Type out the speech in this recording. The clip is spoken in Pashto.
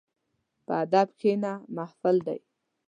په ادب کښېنه، محفل دی.